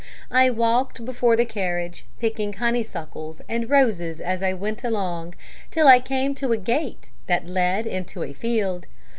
I walked before the carriage picking honeysuckles and roses as I went along, till I came to a gate that led into a field.